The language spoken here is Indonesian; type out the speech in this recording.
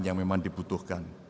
yang memang dibutuhkan